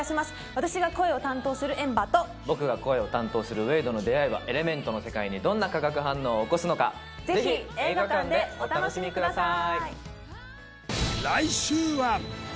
私が声を担当するエンバーと僕が声を担当するウェイドの出会いはエレメントの世界にどんな化学反応を起こすのかぜひ映画館でお楽しみください